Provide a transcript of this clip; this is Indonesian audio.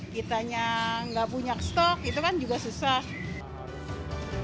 kita yang nggak punya stok itu kan juga susah